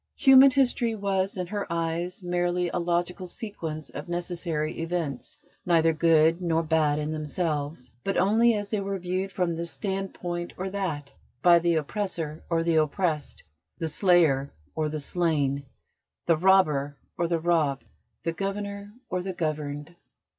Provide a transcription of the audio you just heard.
Human history was in her eyes merely a logical sequence of necessary events, neither good nor bad in themselves, but only as they were viewed from this standpoint or that, by the oppressor or the oppressed, the slayer or the slain, the robber or the robbed, the governor or the governed.